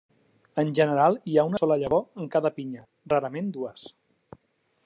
En general hi ha una sola llavor en cada pinya, rarament dues.